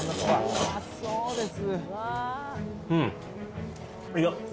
うまそうです